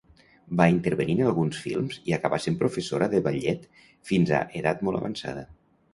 Va intervenir en alguns films i acabà sent professora de ballet fins edat molt avançada.